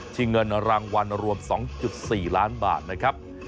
เงินรางวัลรวม๒๔ล้านบาทนะครับ